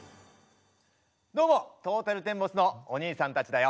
どうもトータルテンボスのおにいさんたちだよ。